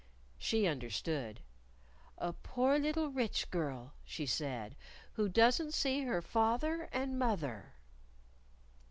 She understood. "A Poor Little Rich Girl," she said, "who doesn't see her fath er and moth er."